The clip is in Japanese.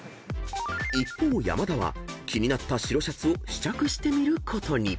［一方山田は気になった白シャツを試着してみることに］